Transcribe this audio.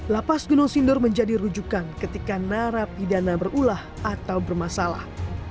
lapas gunung sindur menjadi rujukan ketika narapidana berulah atau bermasalah